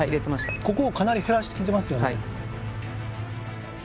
ここをかなり減らしてきてますね